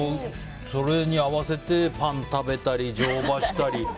それに合わせてパン食べたり乗馬したり。